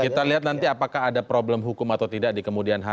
kita lihat nanti apakah ada problem hukum atau tidak di kemudian hari